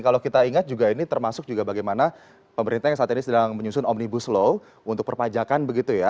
kalau kita ingat juga ini termasuk juga bagaimana pemerintah yang saat ini sedang menyusun omnibus law untuk perpajakan begitu ya